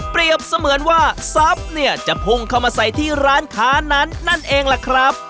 เสมือนว่าทรัพย์เนี่ยจะพุ่งเข้ามาใส่ที่ร้านค้านั้นนั่นเองล่ะครับ